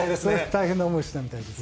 大変な思い、したみたいです